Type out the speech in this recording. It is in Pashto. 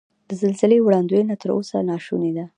د زلزلې وړاندوینه تر اوسه نا شونې ده.